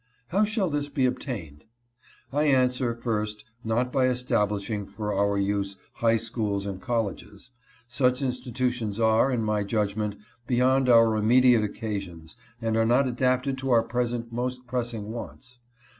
How shall this be obtained? I answer, first, not by establishing for our use high schools and col leges. Such institutions are, in my judgment, beyond our immediate occasions and are not adapted to our present most pressing wants.